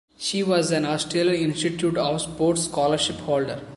She was an Australian Institute of Sport scholarship holder.